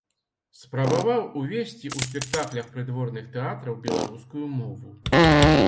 Спрабаваў увесці ў спектаклях прыдворных тэатраў беларускую мову.